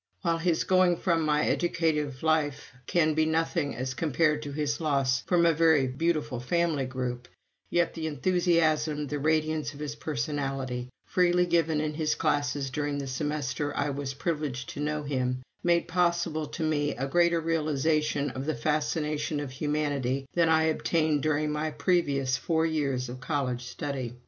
While his going from my educative life can be nothing as compared to his loss from a very beautiful family group, yet the enthusiasm, the radiance of his personality freely given in his classes during the semester I was privileged to know him made possible to me a greater realization of the fascination of humanity than I obtained during my previous four years of college study.